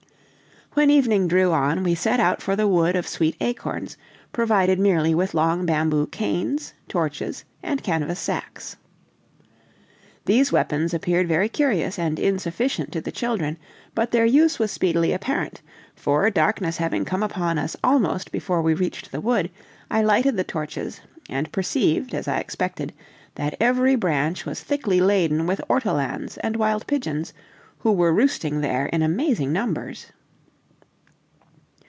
When evening drew on, we set out for the wood of sweet acorns, provided merely with long bamboo canes, torches, and canvas sacks. These weapons appeared very curious and insufficient to the children; but their use was speedily apparent; for darkness having come upon us almost before we reached the wood, I lighted the torches, and perceived, as I expected, that every branch was thickly laden with ortolans and wild pigeons, who were roosting there in amazing numbers.